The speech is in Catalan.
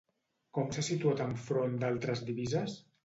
Com s'ha situat enfront d'altres divises?